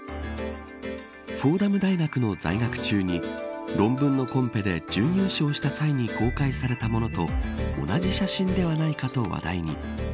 フォーダム大学の在学中に論文のコンペで準優勝した際に公開されたものと同じ写真ではないかと話題に。